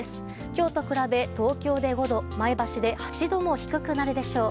今日と比べ、東京で５度前橋で８度も低くなるでしょう。